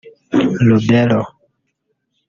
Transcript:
Lubero